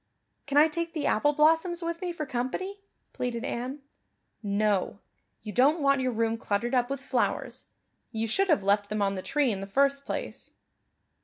"Can I take the apple blossoms with me for company?" pleaded Anne. "No; you don't want your room cluttered up with flowers. You should have left them on the tree in the first place."